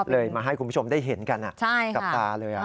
เลยมาให้คุณผู้ชมได้เห็นกันกับตาเลย